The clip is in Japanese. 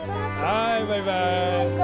はいバイバイ。